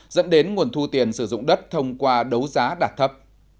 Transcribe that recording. dẫn đến nguồn thu tiền sử dụng đất thông qua đấu giá đạt thấp